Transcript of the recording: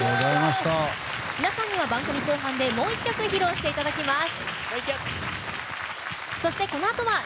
皆さんには番組後半でもう１曲披露していただきます。